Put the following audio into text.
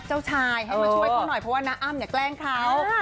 ชอบไหมคะ